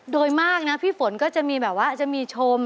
โดยมากนะพี่ฝนก็จะมีแบบว่าจะมีชม